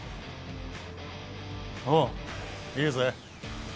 おういいぜ。